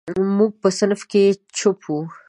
موږ په صنف کې چپ وو.